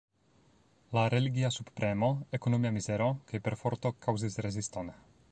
La religia subpremo, ekonomia mizero kaj perforto kaŭzis reziston.